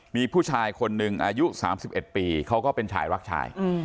มีผู้ชายคนหนึ่งอายุ๓๑ปีเขาก็เป็นชายรักชาย